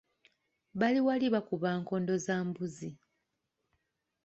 Bali wali bakuba nkondo za mbuzi.